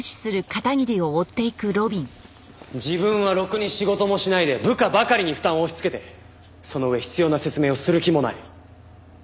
自分はろくに仕事もしないで部下ばかりに負担を押し付けてその上必要な説明をする気もない。